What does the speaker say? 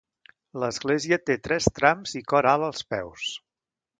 L'església té tres trams i cor alt als peus.